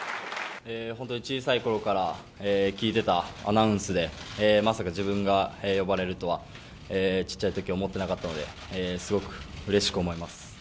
本当に小さいころから聞いてたアナウンスでまさか自分が呼ばれるとは小さいとき思っていなかったのですごくうれしく思います。